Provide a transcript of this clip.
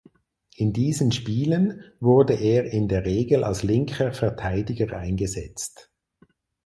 In diesen Spielen wurde er in der Regel als linker Verteidiger eingesetzt.